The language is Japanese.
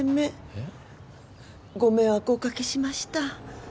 えっ？ご迷惑をおかけしました。